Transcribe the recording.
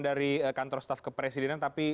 dari kantor staf kepresidenan tapi